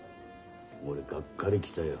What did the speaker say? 俺がっかりきたよ。